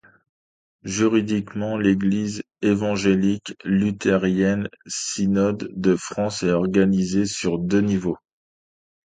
Juridiquement l'Église évangélique luthérienne-synode de France est organisée sur deux niveaux.